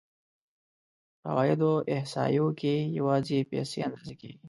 په عوایدو احصایو کې یوازې پیسې اندازه کېږي